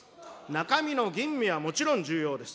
中身の吟味はもちろん重要です。